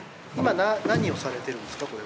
今何をされてるんですか？